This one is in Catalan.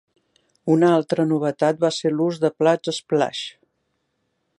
Una altra novetat va ser l'ús de plats splash.